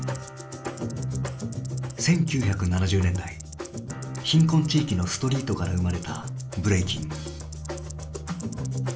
１９７０年代貧困地域のストリートから生まれたブレイキン。